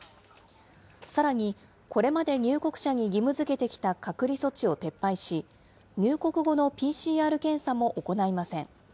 さらに、これまで入国者に義務づけてきた隔離措置を撤廃し、入国後のＰＣＲ検査も行いません。